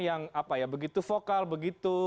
yang apa ya begitu vokal begitu